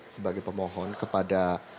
sebagai pemohon kepada